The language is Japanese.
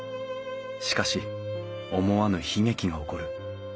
しかし思わぬ悲劇が起こる。